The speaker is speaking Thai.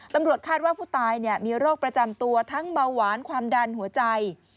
ตำรวจคาดว่าผู้ตายมีโรคประจำตัวทั้งเบาหวานความดันหัวใจ